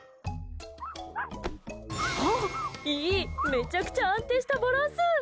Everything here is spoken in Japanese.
めちゃくちゃ安定したバランス。